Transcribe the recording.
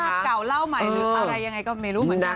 เป็นภาพเก่าเล่าใหม่หรืออะไรยังไงก็ไม่รู้